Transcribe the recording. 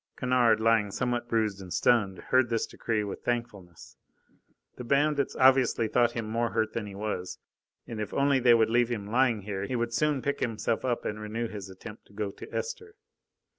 Kennard, lying somewhat bruised and stunned, heard this decree with thankfulness. The bandits obviously thought him more hurt than he was, and if only they would leave him lying here, he would soon pick himself up and renew his attempt to go to Esther.